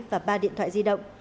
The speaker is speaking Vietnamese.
và ba điện thoại di động